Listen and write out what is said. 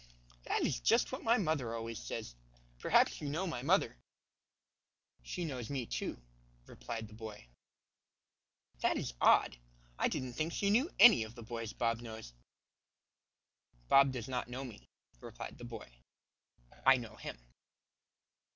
"That is just what my mother always says. Perhaps you know my mother?" "She knows me, too," replied the boy. "That is odd. I didn't think she knew any of the boys Bob knows." "Bob does not know me," replied the boy; "I know him."